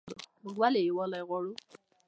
موږ ولې یووالی غواړو؟